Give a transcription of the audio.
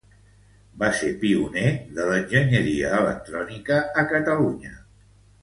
Va ser pioner de l'enginyeria electrònica a Catalunya.